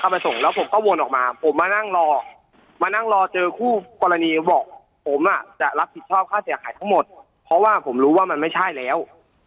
ไปส่งแล้วผมก็วนออกมาผมมานั่งรอมานั่งรอเจอคู่กรณีบอกผมอ่ะจะรับผิดชอบค่าเสียหายทั้งหมดเพราะว่าผมรู้ว่ามันไม่ใช่แล้ว